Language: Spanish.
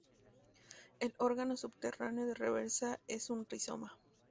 El órgano subterráneo de reserva es un rizoma.